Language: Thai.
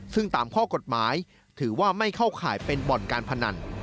ซึ่งตามข้อกฎหมายถือว่าไม่เข้าข่ายเป็นบ่อนการพนัน